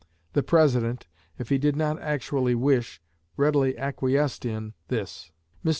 The President, if he did not actually wish, readily acquiesced in, this. Mr.